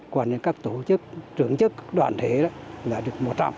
còn các tổ chức trưởng chức đoàn thể là được một trăm linh